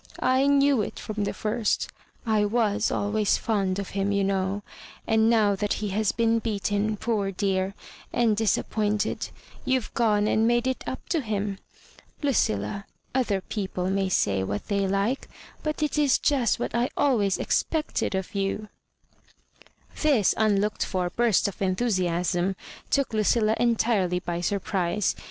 " I knew it from the first I was always fond of him, you know; and now that he has been beaten, poor dear, and disappointed, you've gone and made it up to himl LuciUa, other people may say what they like, but it is just what I always expected of you I " This unlocked for burst of enthusiasm took LuciUa entirely by surprise.